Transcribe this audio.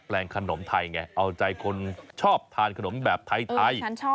ลงขนมไทยไงเอาใจคนชอบทานขนมแบบไทย